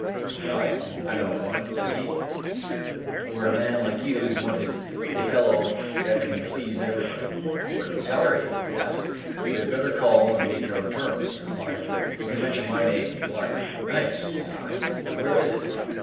answered I. "I know of one," said he, "where a man like you is wanted a fellow that can please everybody." "What is the salary?" I asked. "You had better call and make your own terms," he replied, "you can mention my name if you like. Thanks!" said I, "but where is it."